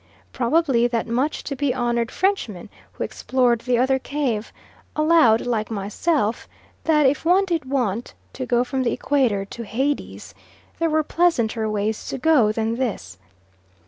Probably that much to be honoured Frenchman who explored the other cave, allowed like myself, that if one did want to go from the Equator to Hades, there were pleasanter ways to go than this.